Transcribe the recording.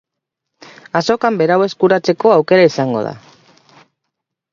Azokan berau eskuratzeko aukera izango da.